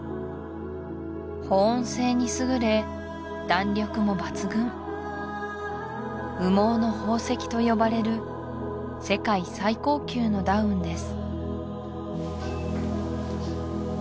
保温性に優れ弾力も抜群「羽毛の宝石」と呼ばれる世界最高級のダウンです